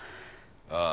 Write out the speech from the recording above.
ああ。